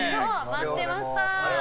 待ってました。